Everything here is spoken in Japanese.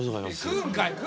食うんかい。